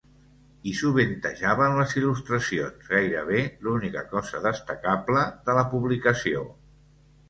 Hi sovintejaven les il·lustracions, gairebé l'única cosa destacable de la publicació.